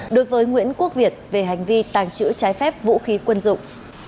đối với nguyễn quốc việt về hành vi tàng trữ trái phép vũ khí quân dụng